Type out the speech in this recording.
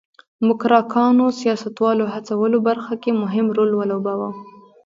موکراکانو سیاستوالو هڅولو برخه کې مهم رول ولوباوه.